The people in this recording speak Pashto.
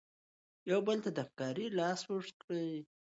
یو بل ته د همکارۍ لاس اوږد کړئ.